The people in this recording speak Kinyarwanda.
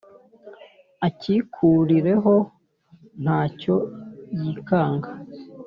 akikurireho nta cyo yikanga